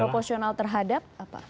proporsional terhadap apa